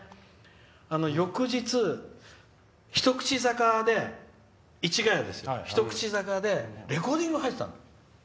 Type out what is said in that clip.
翌日、一口坂で市ヶ谷ですよレコーディングが入ってたの。